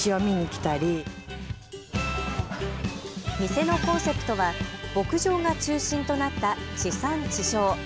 店のコンセプトは牧場が中心となった地産地消。